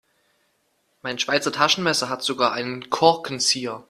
Mein Schweizer Taschenmesser hat sogar einen Korkenzieher.